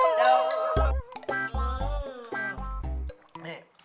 เนี่ย